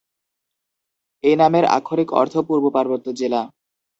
এই নামের আক্ষরিক অর্থ "পূর্ব পার্বত্য জেলা"।